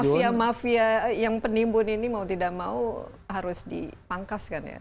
mafia mafia yang penimbun ini mau tidak mau harus dipangkas kan ya